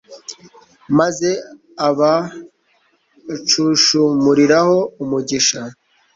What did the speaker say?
maze abacunshumuriraho umugisha